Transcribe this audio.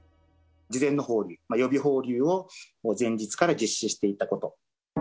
事前の放流、予備放流を前日から実施していたこと。